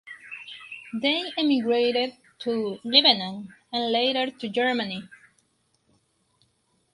They emigrated to Lebanon and later to Germany.